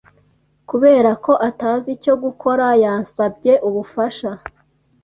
Kubera ko atazi icyo gukora, yansabye ubufasha.